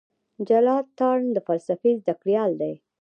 جلال تارڼ د فلسفې زده کړيال دی.